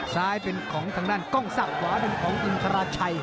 ซ้ายเป็นของทางด้านกล้องศักขวาเป็นของอินทราชัย